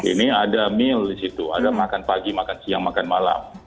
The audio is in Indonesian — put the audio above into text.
ini ada mil di situ ada makan pagi makan siang makan malam